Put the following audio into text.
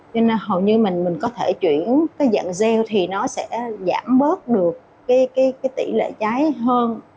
cho nên hầu như mình mình có thể chuyển cái dạng rêu thì nó sẽ giảm bớt được cái tỷ lệ cháy hơn